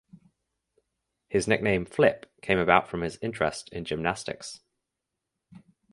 His nickname "Flip" came about from his interest in gymnastics.